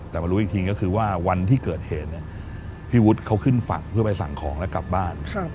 แต่มารู้อีกทีก็คือว่าวันที่เกิดเหตุพี่วุฒิเขาขึ้นฝั่งเพื่อไปสั่งของแล้วกลับบ้าน